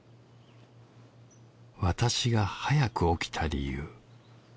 私が早く起きた理由。